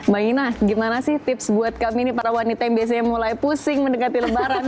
mbak ina gimana sih tips buat kami nih para wanita yang biasanya mulai pusing mendekati lebaran